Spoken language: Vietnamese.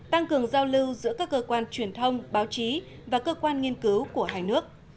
tăng cường giao lưu giữa các cơ quan truyền thông báo chí và cơ quan nghiên cứu của hai nước